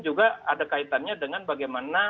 juga ada kaitannya dengan bagaimana